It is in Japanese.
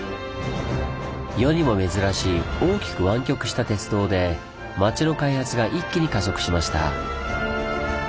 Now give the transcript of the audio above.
世にも珍しい大きく湾曲した鉄道で町の開発が一気に加速しました。